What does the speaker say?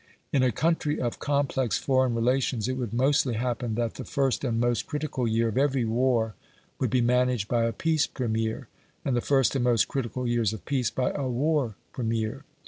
In a country of complex foreign relations it would mostly happen that the first and most critical year of every war would be managed by a peace Premier, and the first and most critical years of peace by a war Premier.